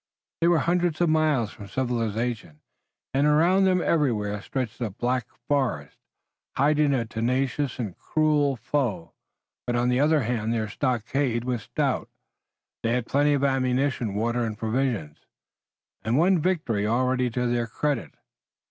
They were hundreds of miles from civilization, and around them everywhere stretched a black forest, hiding a tenacious and cruel foe. But on the other hand their stockade was stout, they had plenty of ammunition, water and provisions, and one victory already to their credit.